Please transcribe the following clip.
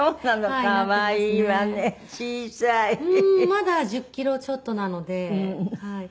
まだ１０キロちょっとなのではい。